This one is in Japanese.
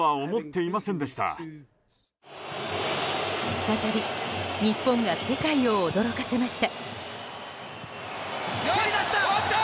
再び、日本が世界を驚かせました。